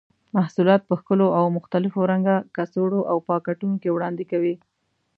محصولات په ښکلو او مختلفو رنګه کڅوړو او پاکټونو کې وړاندې کوي.